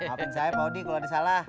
maafin saya pak odi kalo ada salah